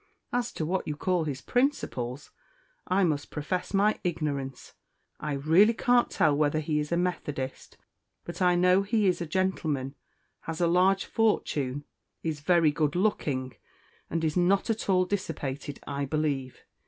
As to what you call his principles, I must profess my ignorance. I really can't tell whether he is a Methodist; but 1 know he is a gentleman has a large fortune is very good looking and is not at all dissipated, I believe.